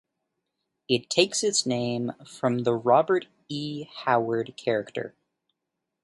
It takes its name from the Robert E. Howard character.